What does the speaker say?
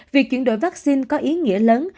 việc chuyển đổi vaccine có ý nghĩa lớn